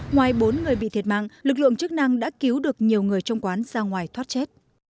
ngoài bốn người bị thiệt mạng lực lượng chức năng đã cứu được nhiều người trong quán ra ngoài thoát chết